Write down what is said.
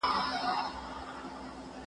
موږ باید د انټرنيټ په کارولو کې اصول ومنو.